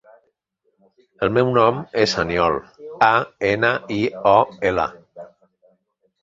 El meu nom és Aniol: a, ena, i, o, ela.